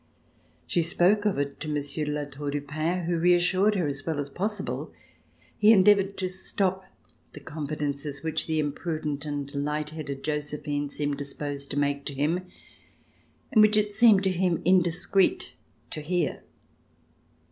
She spoke of it to Monsieur de La Tour du Pin, who reassured her as well as possible. He endeavored to stop the confi C332] THE EMPEROR AT BORDEAUX dences which the imprudent and light headed Jo sephine seemed disposed to make to him, and which it seemed to him indiscreet to hear.